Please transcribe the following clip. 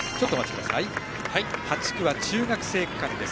８区は中学生区間です。